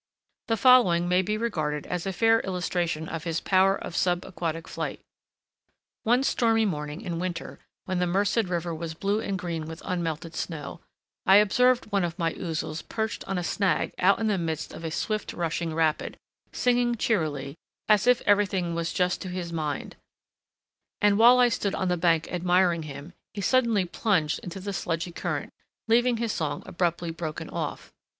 The following may be regarded as a fair illustration of his power of sub aquatic flight. One stormy morning in winter when the Merced River was blue and green with unmelted snow, I observed one of my ouzels perched on a snag out in the midst of a swift rushing rapid, singing cheerily, as if everything was just to his mind; and while I stood on the bank admiring him, he suddenly plunged into the sludgy current, leaving his song abruptly broken off.